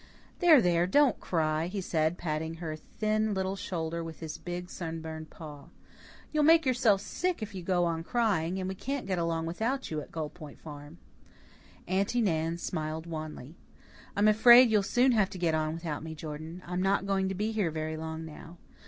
"There, there, don't cry," he said, patting her thin little shoulder with his big, sunburned paw. "You'll make yourself sick if you go on crying, and we can't get along without you at Gull Point Farm." Aunty Nan smiled wanly. "I'm afraid you'll soon have to get on without me, Jordan. I'm not going to be here very long now.